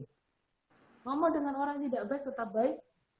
ngomong dengan orang yang tidak baik tetap baik